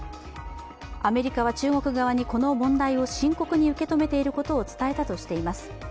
アメリカは中国側にこの問題を深刻に受け止めていることを伝えたとしています。